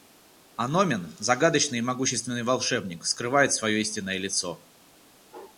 Аномен, загадочный и могущественный волшебник, скрывает свое истинное лицо.